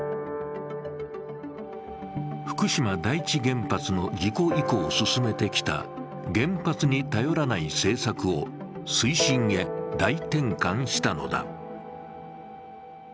福島第一原発の事故以降進めてきた原発に頼らない政策を推進へ大転換したのだ。